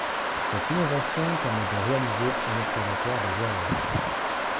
Cette innovation permet de réaliser un observatoire des erreurs.